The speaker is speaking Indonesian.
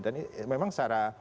dan memang secara